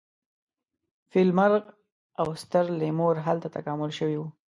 فیل مرغ او ستر لیمور هلته تکامل شوي وو.